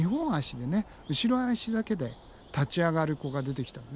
後ろ足だけで立ち上がる子が出てきたのね。